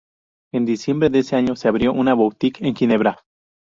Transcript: En diciembre de ese año se abrió una boutique en Ginebra.